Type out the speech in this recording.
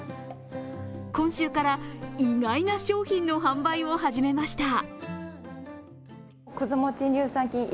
今週から意外な商品の販売を始めました。